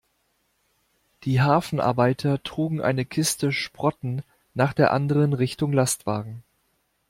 Die Hafenarbeiter trugen eine Kiste Sprotten nach der anderen Richtung Lastwagen.